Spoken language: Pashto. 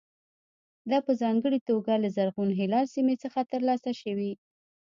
دا په ځانګړې توګه له زرغون هلال سیمې څخه ترلاسه شوي.